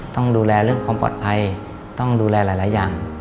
ต้องดูแลเรื่องความปลอดภัยต้องดูแลหลายอย่าง